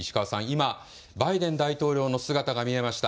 今、バイデン大統領の姿が見えました。